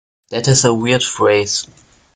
That is a weird phrase.